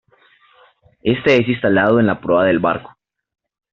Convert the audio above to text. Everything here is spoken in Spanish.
Éste es instalado en la proa del barco.